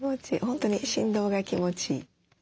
本当に振動が気持ちいい。